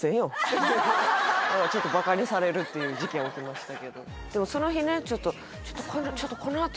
ちょっとバカにされるっていう事件起きましたけどでもその日ね